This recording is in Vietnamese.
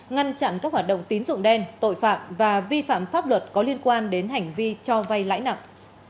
ngăn chặn các hoạt động tín dụng đen tội phạm và vi phạm pháp luật có liên quan đến hành vi cho vay lãi nặng